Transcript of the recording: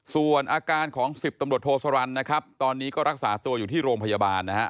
ส่วนอาการของ๑๐ตำรวจโทสรรณนะครับตอนนี้ก็รักษาตัวอยู่ที่โรงพยาบาลนะฮะ